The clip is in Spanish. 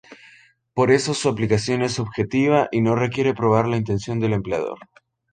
Por eso su aplicación es objetiva y no requiere probar la intención del empleador.